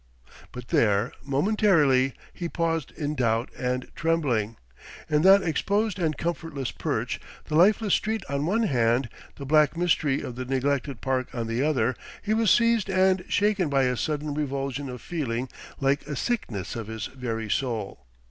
But there, momentarily, he paused in doubt and trembling. In that exposed and comfortless perch, the lifeless street on one hand, the black mystery of the neglected park on the other, he was seized and shaken by a sudden revulsion of feeling like a sickness of his very soul.